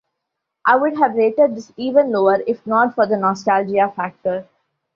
I would have rated this even lower if not for the nostalgia factor.